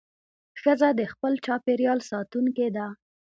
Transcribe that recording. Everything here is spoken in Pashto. ښځه د خپل چاپېریال ساتونکې ده.